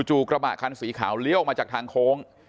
กระบะคันสีขาวเลี้ยวมาจากทางโค้ง